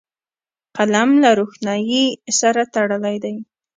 قلم له روښنايي سره تړلی دی